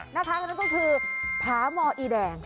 นะคะคนนั้นก็คือผาหมออีแดง